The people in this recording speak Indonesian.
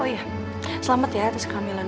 oh iya selamat ya atas kehamilan